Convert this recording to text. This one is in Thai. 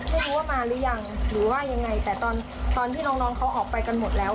ไม่รู้ว่ามาหรือยังหรือว่ายังไงแต่ตอนตอนที่น้องน้องเขาออกไปกันหมดแล้ว